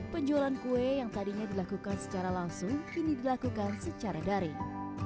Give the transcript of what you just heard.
penjualan kue yang tadinya dilakukan secara langsung kini dilakukan secara daring